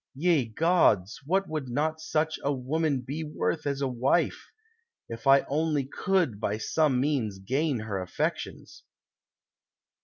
Ye gods, what would not such a woman be worth as a wife I If I only could by some means gain her affections."